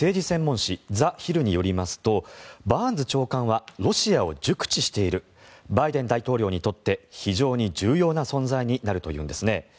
専門紙ザ・ヒルによりますとバーンズ長官はロシアを熟知しているバイデン大統領にとって非常に重要な存在になるというんですね。